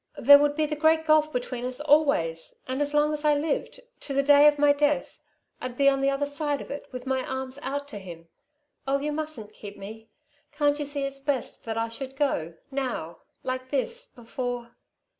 There would be the great gulf between us always ... and as long as I lived to the day of my death I'd be on the other side of it, with my arms out to him. Oh, you mustn't keep me. Can't you see it's best that I should go ... now ... like this, before...."